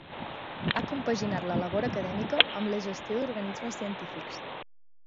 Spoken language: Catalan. Ha compaginat la labor acadèmica amb la gestió d'organismes científics.